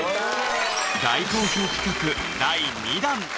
大好評企画第２弾！